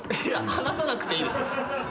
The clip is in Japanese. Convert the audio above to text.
いや話さなくていいですよ。